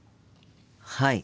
はい。